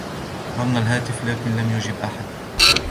رنّ الهاتف لكن لم يجب أحد.